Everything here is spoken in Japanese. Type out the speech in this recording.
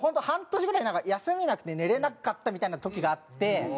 半年ぐらい休みなくて寝れなかったみたいな時があって。